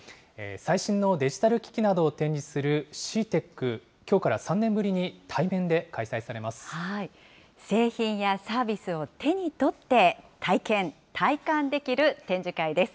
最新のデジタル機器などを展示するＣＥＡＴＥＣ、きょうから３年製品やサービスを手に取って体験・体感できる展示会です。